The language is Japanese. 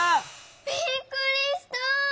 びっくりした！